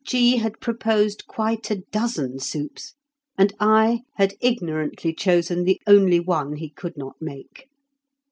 G. had proposed quite a dozen soups, and I had ignorantly chosen the only one he could not make.